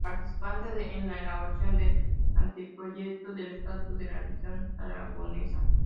Participante en la elaboración del Anteproyecto del Estatuto de la Región Aragonesa.